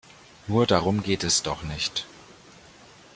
Nur darum geht es doch nicht.